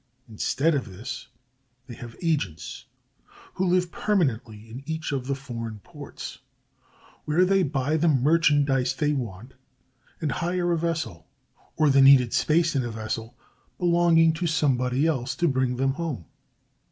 Instead of this they have agents, who live permanently in each of the foreign ports, where they buy the merchandise they want and hire a vessel, or the needed space in a vessel, belonging to somebody else to bring them home.